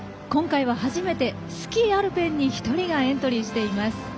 今回は初めてスキー・アルペンに１人がエントリーしています。